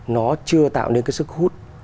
nó chưa tạo nên cái sức hút